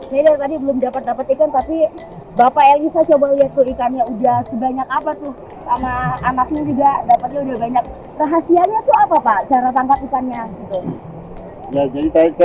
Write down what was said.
saya dari tadi belum dapat ikan tapi bapak elisa coba lihat tuh ikannya udah sebanyak apa tuh sama anaknya juga dapatnya udah banyak